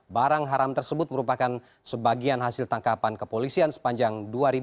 barang haram tersebut merupakan sebagian hasil tangkapan kepolisian sepanjang dua ribu dua puluh